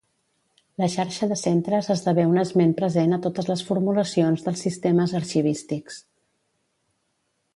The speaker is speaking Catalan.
La xarxa de centres esdevé un esment present a totes les formulacions dels sistemes arxivístics.